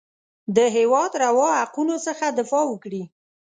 د هېواد روا حقونو څخه دفاع وکړي.